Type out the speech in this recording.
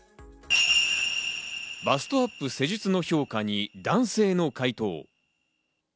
バストアップ施術の評価に男性の回答。